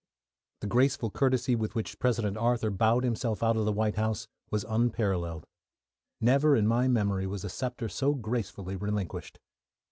The graceful courtesy with which President Arthur bowed himself out of the White House was unparalleled. Never in my memory was a sceptre so gracefully relinquished.